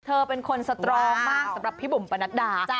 เธอเป็นคนสตรองมากสำหรับพี่บุ๋มปนัดดา